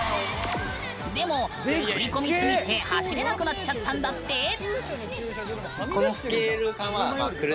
でも作り込みすぎて走れなくなっちゃったんだって。